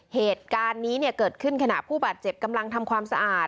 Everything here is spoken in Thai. เหตุการณ์นี้เกิดขึ้นขณะผู้บาดเจ็บกำลังทำความสะอาด